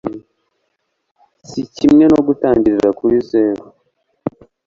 sikimwe nko gutangirira kuri zero.